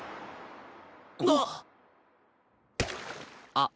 あっ。